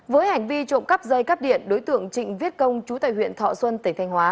với hành vi trộm cắp dây cắp điện đối tượng trịnh viết công chú tại huyện thọ xuân tỉnh thanh hóa